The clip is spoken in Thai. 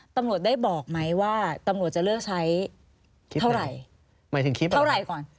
ตำรวจบอกไหมว่าจะเลิกใช้ประมาณกลางกลายกับการใช้วิธีลำมาก